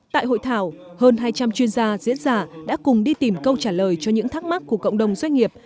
tại hội thảo hơn hai trăm linh chuyên gia diễn giả đã cùng đi tìm câu trả lời cho những thắc mắc của cộng đồng doanh nghiệp